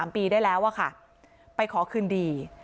๓ปีได้แล้วค่ะไปขอคืนดี